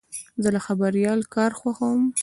زه د خبریال کار خوښوم.